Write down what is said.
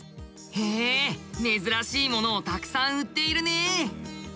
へえ珍しいものをたくさん売っているね。